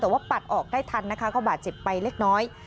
แต่ว่าปัดออกได้ทันนะคะก็บาดเจ็บไปเล็กน้อย